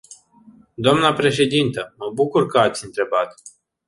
Dnă președintă, mă bucur că ați întrebat.